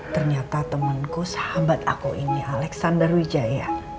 ternyata temanku sahabat aku ini alexander wijaya